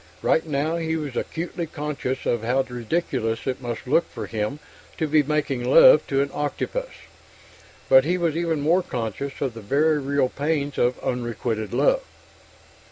Right now he was acutely conscious of how ridiculous it must look for him to be making love to an octopus, but he was even more conscious of the very real pains of unrequited love.